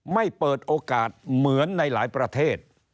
ไม่เปิดโอกาสเหมือนในหลายประเทศ